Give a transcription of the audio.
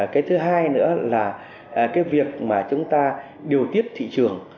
cái thứ hai nữa là cái việc mà chúng ta điều tiết thị trường